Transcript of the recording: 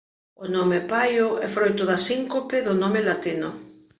O nome Paio é froito da síncope do nome latino.